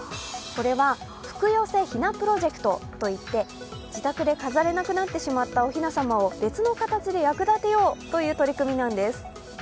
これは福よせ雛プロジェクトといって、自宅で飾れなくなってしまったおひな様を別の形で役立てようという取り組みなんです。